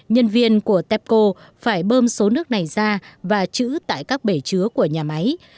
nhân viên của tepco phải bơm số nước này ra và chữ tại các bể chứa của nhà máy